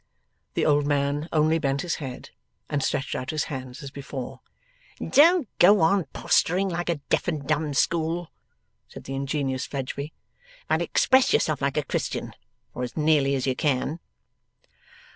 The old man only bent his head, and stretched out his hands as before. 'Don't go on posturing like a Deaf and Dumb School,' said the ingenious Fledgeby, 'but express yourself like a Christian or as nearly as you can.